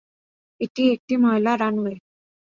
এটি একটি ময়লা রানওয়ে।